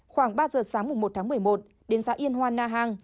khoảng ba giờ sáng một tháng một mươi một đến xã yên hoa na hàng